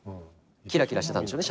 キラキラしてたんでしょうね